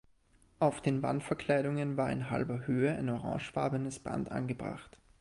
Auf den Wandverkleidungen war in halber Höhe ein orangefarbenes Band angebracht.